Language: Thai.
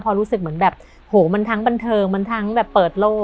พอรู้สึกเหมือนแบบโหมันทั้งบันเทิงมันทั้งแบบเปิดโลก